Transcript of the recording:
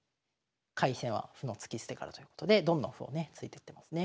「開戦は歩の突き捨てから」ということでどんどん歩をね突いてってますね。